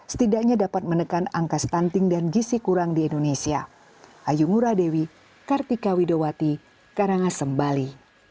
setidaknya dapat menekan angka stunting dan gisi kurang di indonesia ayu muradewi kartika widowati